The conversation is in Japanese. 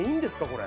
これ。